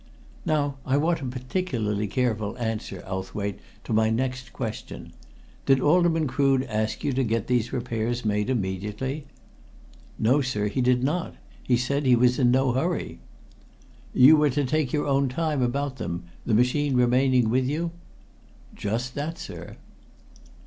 "Now I want a particularly careful answer, Owthwaite, to my next question. Did Alderman Crood ask you to get these repairs made immediately?" "No, sir, he did not. He said he was in no hurry." "You were to take your own time about them, the machine remaining with you?" "Just that, sir."